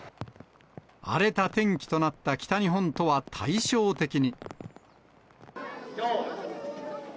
荒れた天気となった北日本とは対照的に。